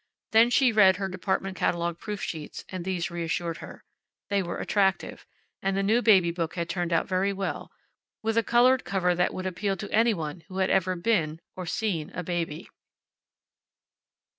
Then she read her department catalogue proof sheets, and these reassured her. They were attractive. And the new baby book had turned out very well, with a colored cover that would appeal to any one who had ever been or seen a baby.